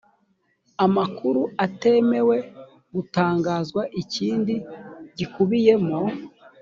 amakuru atemewe gutangazwa ikindi gikubiyemo